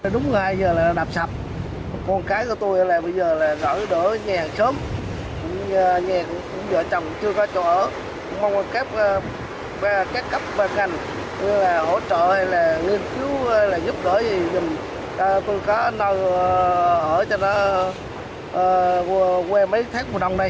đúng là giờ là đạp sập con cái của tôi là bây giờ là gọi đỡ nhà sớm nhà của vợ chồng chưa có chỗ ở mong là các cấp và ngành hỗ trợ hay là nghiên cứu hay là giúp đỡ gì thì tôi có nơi ở cho nó quê mấy tháng mùa đông đây